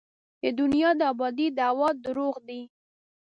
د دنیا د ابادۍ دعوې درواغ دي.